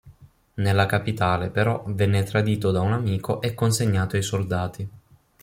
Nella capitale, però, venne tradito da un amico e consegnato ai soldati.